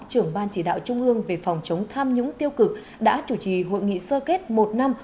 trưởng ban chỉ đạo trung ương về phòng chống tham nhũng tiêu cực đã chủ trì hội nghị sơ kết một năm